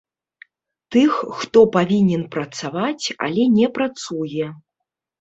Тых, хто павінен працаваць, але не працуе.